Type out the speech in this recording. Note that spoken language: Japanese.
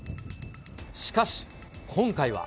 しかし、今回は。